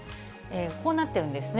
こうなってるんですね。